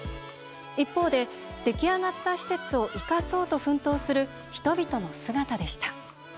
一方で出来上がった施設を生かそうと奮闘する人々の姿でした。